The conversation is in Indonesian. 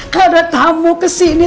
karena tamu kesini